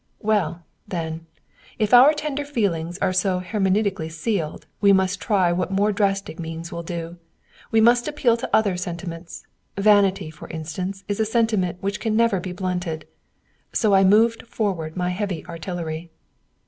Well, then, if our tender feelings are so hermetically sealed, we must try what more drastic means will do. We must appeal to other sentiments. Vanity, for instance, is a sentiment which never can be blunted. So I moved forward my heavy artillery.